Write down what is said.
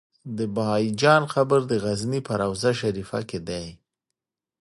د بهايي جان قبر د غزنی په روضه شريفه کی دی